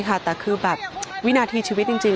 แล้วน้ำซัดมาอีกละรอกนึงนะฮะจนในจุดหลังคาที่เขาไปเกาะอยู่เนี่ย